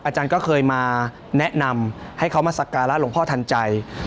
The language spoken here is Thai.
อาจารย์ก็เคยมาแนะนำให้เขามาสักการะหลวงพ่อทันใจ